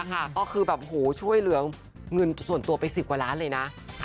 ก็คือแบบช่วยเหลือเงินส่วนตัวไป๑๐กว่าล้านเลยนะ